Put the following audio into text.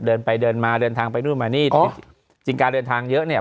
เดินไปเดินมาเดินทางไปนู่นมานี่จริงการเดินทางเยอะเนี่ย